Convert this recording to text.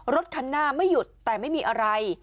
รถคันหน้าไม่หยุดแต่ไม่มีอะไร